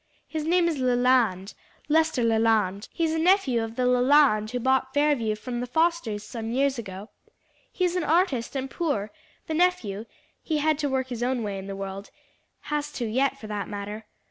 "His name is Leland; Lester Leland. He's a nephew of the Leland who bought Fairview from the Fosters some years ago. He's an artist and poor the nephew he had to work his own way in the world; has to yet for that matter.